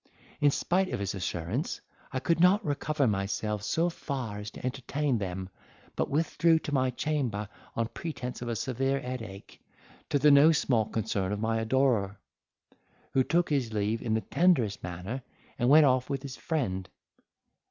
In spite of his assurance, I could not recover myself so far as to entertain them, but withdrew to my chamber on pretence of a severe headache, to the no small concern of my adorer, who took his leave in the tenderest manner, and went off with his friend.